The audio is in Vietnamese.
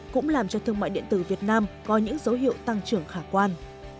cũng làm cho thương mại điện tử việt nam có những dấu hiệu tăng trưởng khả quan